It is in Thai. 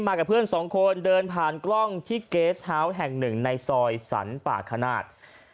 กับเพื่อนสองคนเดินผ่านกล้องที่เกสเฮาวส์แห่งหนึ่งในซอยสรรป่าขนาด